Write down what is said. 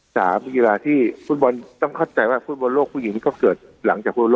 สามเป็นกีฬาที่ฟุตบอลต้องเข้าใจว่าฟุตบอลโลกผู้หญิงก็เกิดหลังจากฯ